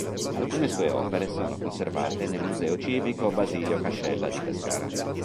Alcune sue opere sono conservate nel Museo civico Basilio Cascella di Pescara.